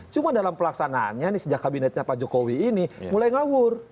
cuma dalam pelaksanaannya nih sejak kabinetnya pak jokowi ini mulai ngawur